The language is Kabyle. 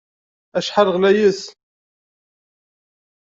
Acḥal ɣlayet!